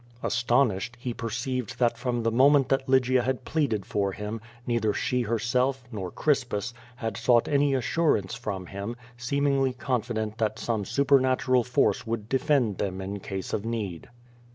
Astonished, he perceived that from the moment that Lygia had pleaded for him, neither she herself, nor Crispus, had sought any assurance from him, seemingly confident that some supernatural force would defend them in case of need.